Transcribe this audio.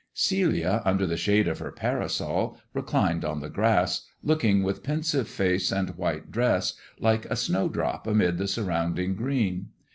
Celia, under the shade of her parasol, reclined on the grass, looking, with pensive face and white dress, like a snowdrop amid the surrounding green.